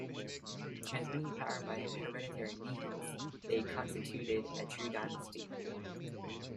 Transmitting power by hereditary means, they constituted a true dynasty.